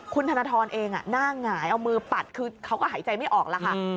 คุณธนทรเองหน้าหงายเอามือปัดคือเขาก็หายใจไม่ออกแล้วค่ะ